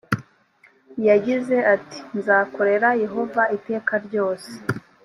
yagize ati nzakorera yehova iteka ryose